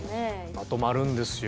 まとまるんですよ